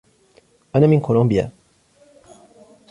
أنا من كولومبيا.